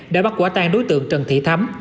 đã bắt quả tan đối tượng trần thị thắm